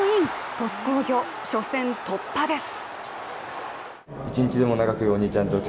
鳥栖工業、初戦突破です。